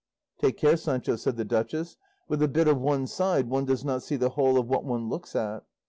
"Take care, Sancho," said the duchess, "with a bit of one side one does not see the whole of what one looks at."